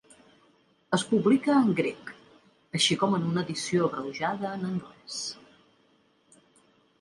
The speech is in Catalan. Es publica en grec, així com en una edició abreujada en anglès.